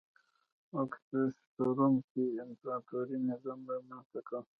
اګوستوس په روم کې امپراتوري نظام رامنځته کړ.